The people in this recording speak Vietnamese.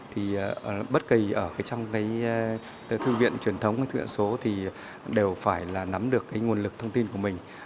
thì bất kỳ ở trong thư viện truyền thống hay thư viện số thì đều phải nắm được nguồn lực thông tin của mình